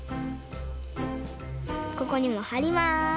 ここにもはります。